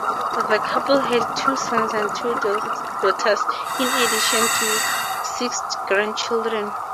The couple had two sons and two daughters in addition to six grandchildren.